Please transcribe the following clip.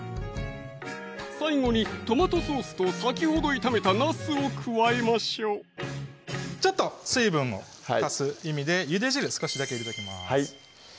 最後にトマトソースと先ほど炒めたなすを加えましょうちょっと水分を足す意味でゆで汁少しだけ入れときます